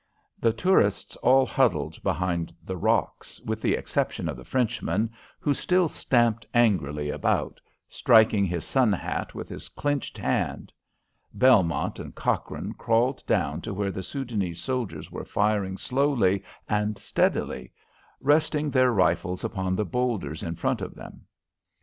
The tourists all huddled behind the rocks, with the exception of the Frenchman, who still stamped angrily about, striking his sun hat with his clenched hand. Belmont and Cochrane crawled down to where the Soudanese soldiers were firing slowly and steadily, resting their rifles upon the boulders in front of them.